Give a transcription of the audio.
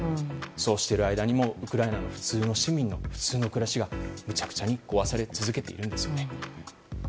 そうしている間にもウクライナの普通の市民の普通の暮らしが無茶苦茶に壊され続けているんです。